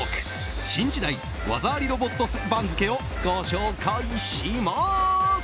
新時代技ありロボット番付をご紹介します！